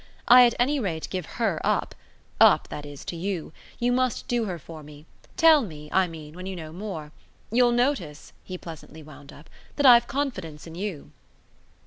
I at any rate give HER up up, that is, to you. You must do her for me tell me, I mean, when you know more. You'll notice," he pleasantly wound up, "that I've confidence in you."